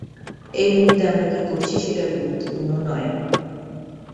এই মুহূর্তে, আমরা কি করছি সেটা গুরুত্বপূর্ণ নয়।